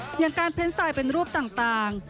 อย่างการเพล็มสไซล์เป็นรูปต่าง